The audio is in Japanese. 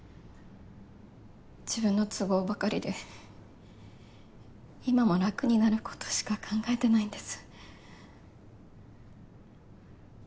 自分の都合ばかりで今も楽になることしか考えてないんです。